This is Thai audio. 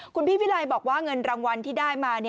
คุณพี่วิลัยบอกว่าเงินรางวัลที่ได้มา